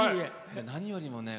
何よりもね